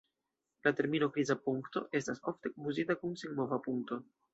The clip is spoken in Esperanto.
La termino "kriza punkto" estas ofte konfuzita kun "senmova punkto".